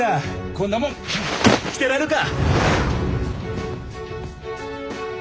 こんなもん着てられるか。